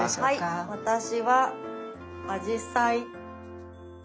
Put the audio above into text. はい私はあじさい。